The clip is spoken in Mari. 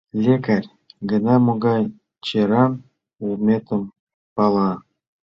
— Лекарь гына могай черан улметым пала.